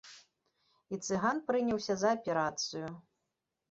І цыган прыняўся за аперацыю.